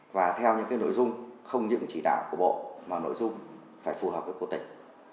và theo những nội dung không những chỉ đạo của bộ mà nội dung phải phù hợp với của tỉnh